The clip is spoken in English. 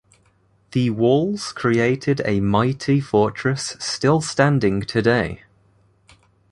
The walls created a mighty fortress still standing today.